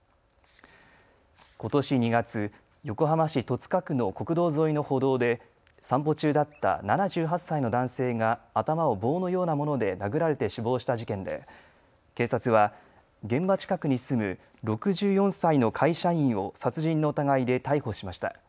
ことし２月、横浜市戸塚区の国道沿いの歩道で散歩中だった７８歳の男性が頭を棒のようなもので殴られて死亡した事件で警察は現場近くに住む６４歳の会社員を殺人の疑いで逮捕しました。